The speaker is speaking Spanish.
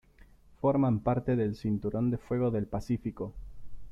Forman parte del Cinturón de Fuego del Pacífico.